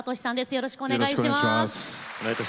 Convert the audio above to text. よろしくお願いします。